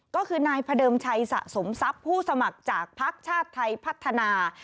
ก็คือนายพระเดิมชัยสะสมทรัพย์ผู้สมัครจากภักดิ์ชาติไทยพัฒนา